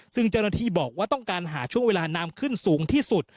ซึ่งเจ้าหน้าที่บอกว่าต้องการหาช่วงเวลาน้ำขึ้นสูงที่สุด